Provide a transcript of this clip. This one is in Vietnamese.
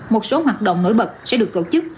một số hoạt động nổi bật sẽ được tổ chức